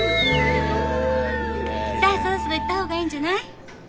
さあそろそろ行った方がいいんじゃない？